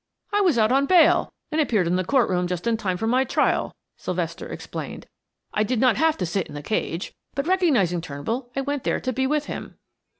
"I was out on bail and appeared in the courtroom just in time for my trial," Sylvester explained. "I did not have to sit in the cage, but recognizing Turnbull I went there to be with him."